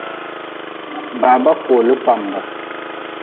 Baba kooli kpambe.